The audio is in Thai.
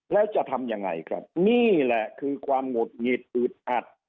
แล้วจะทำยังไงครับนี่แหละคือความหงุดหงิดอึดอัด